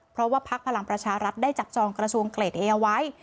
เพราะว่าพักพลังประชารัฐได้จับจองกระทรวงเกรดเอเอาไว้